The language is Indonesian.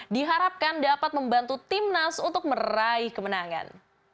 diharapkan dapat membantu timnas untuk meraih kemenangan